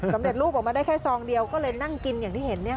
สำเร็จรูปออกมาได้แค่ซองเดียวก็เลยนั่งกินอย่างที่เห็น